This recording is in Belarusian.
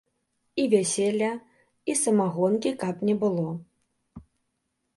І вяселля і самагонкі каб не было.